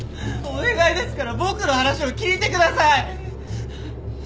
お願いですから僕の話を聞いてください！